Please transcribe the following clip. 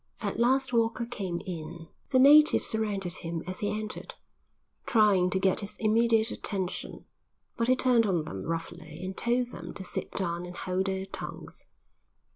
At last Walker came in. The natives surrounded him as he entered, trying to get his immediate attention, but he turned on them roughly and told them to sit down and hold their tongues.